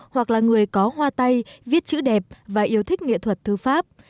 hoặc là người có hoa tay viết chữ đẹp và yêu thích nghệ thuật thư pháp